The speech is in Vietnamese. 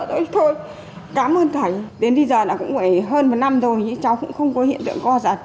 thôi cảm ơn thầy đến bây giờ là cũng hơn một năm rồi nhưng cháu cũng không có hiện tượng co giật